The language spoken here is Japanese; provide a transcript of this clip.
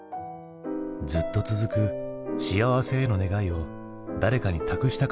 ずっと続く幸せへの願いを誰かに託したかったのか。